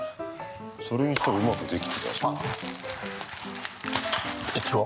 それにしてはうまくできてたじゃん。